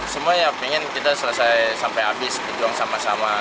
semua ya pengen kita selesai sampai habis berjuang sama sama